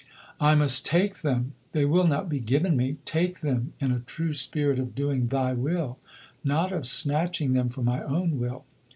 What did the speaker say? I must take them, they will not be given me; take them in a true spirit of doing Thy will, not of snatching them for my own will.